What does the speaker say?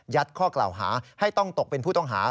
ข้อกล่าวหาให้ต้องตกเป็นผู้ต้องหา